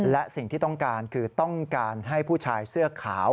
และสิ่งที่ต้องการคือต้องการให้ผู้ชายเสื้อขาว